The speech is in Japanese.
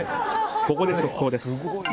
ここで速報です。